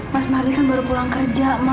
mas mardi kan baru pulang kerja